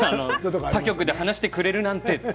他局で話してくれるなんて！って。